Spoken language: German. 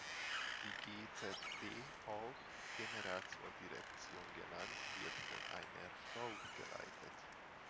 Die G-Z-D, auch Generalzolldirektion genannt wird von einer Frau geleitet.